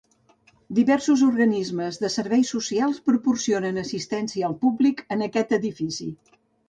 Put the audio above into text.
Diversos organismes de serveis socials proporcionen assistència al públic en aquest edifici.